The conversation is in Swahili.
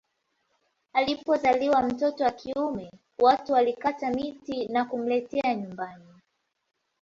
Apozaliwa mtoto wa kiume watu walikata miti na kumletea nyumbani